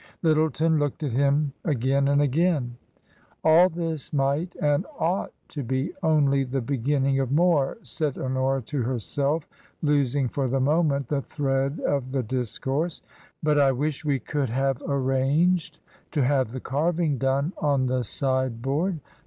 Lyttleton looked at him again and again. " All this might and ought to be only the beginning of more," said Honora to herself, losing for the moment the thread of the discourse ;" but I wish we could have c ^ 5 50 TRANSITION. arranged to have the carving done on the side board.